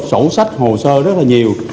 sổ sách hồ sơ rất là nhiều